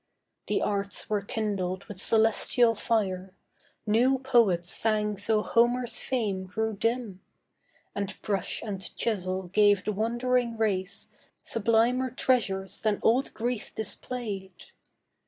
The arts were kindled with celestial fire; New poets sang so Homer's fame grew dim; And brush and chisel gave the wondering race Sublimer treasures than old Greece displayed.